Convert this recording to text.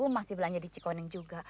masih belanja di cikoning juga